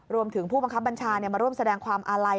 รวมถึงผู้บังคับบัญชามาร่วมแสดงความอะไร